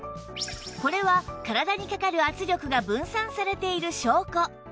これは体にかかる圧力が分散されている証拠